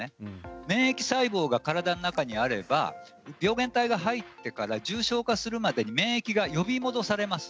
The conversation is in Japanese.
免疫細胞が体の中にあれば病原体が入ってから重症化するまでに免疫が呼び戻されます。